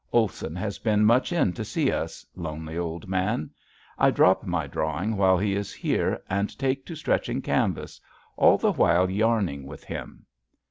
Olson has been much in to see us, lonely old man! I drop my drawing while he is here and take to stretching canvass, all the while yarning with him.